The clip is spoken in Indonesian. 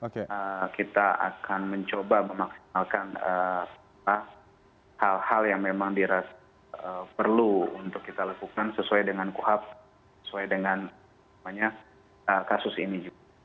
kita akan mencoba memaksimalkan hal hal yang memang diperlukan sesuai dengan kohab sesuai dengan kasus ini